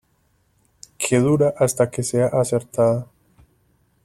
Que dura hasta que sea acertada.